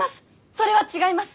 それは違います！